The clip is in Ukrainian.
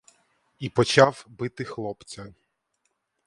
І почав бити хлопця.